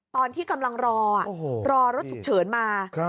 ตอนที่กำลังรอรอรถฉุกเฉินมา